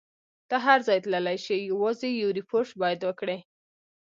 ته هر ځای تللای شې، یوازې یو ریپورټ باید وکړي.